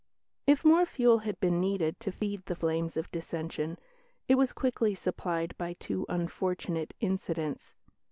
If more fuel had been needed to feed the flames of dissension, it was quickly supplied by two unfortunate incidents.